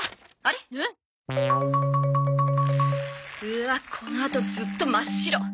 うわっこのあとずっと真っ白。